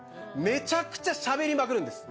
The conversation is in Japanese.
めちゃくちゃしゃべりまくるんです。